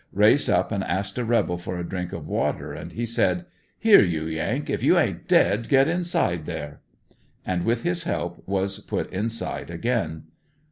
Raised up and asked a rebel for a drink of water, and he said: *'Here, you Yank, if you ain't dead, get inside there!" And with his help was put inside again.